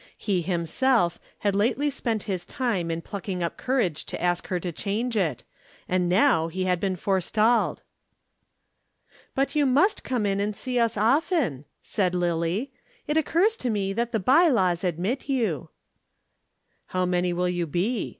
He, himself, had lately spent his time in plucking up courage to ask her to change it and now he had been forestalled. "But you must come in and see us often," said Lillie. "It occurs to me that the by laws admit you." "How many will you be?"